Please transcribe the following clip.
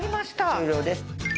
終了です。